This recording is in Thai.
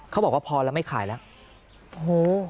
เขาบอกว่าพอแล้วไม่ขายแล้วโอ้โห